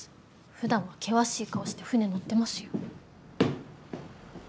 ふだんは険しい顔して船乗ってますよ。